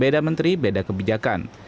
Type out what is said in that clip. beda menteri beda kebijakan